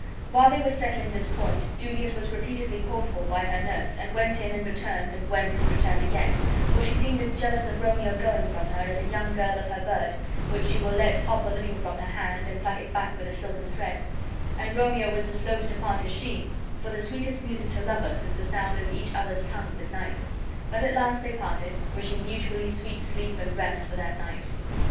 While they were settling this point Juliet was repeatedly called for by her nurse, and went in and returned, and went and returned again, for she seemed as jealous of Romeo going from her as a young girl of her bird, which she will let hop a little from her hand and pluck it back with a silken thread; and Romeo was as loath to part as she, for the sweetest music to lovers is the sound of each other's tongues at night. But at last they parted, wishing mutually sweet sleep and rest for that night.